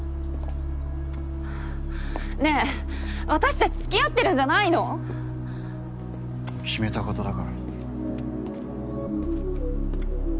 ねえ私たちつきあってるんじゃないの決めたことだから。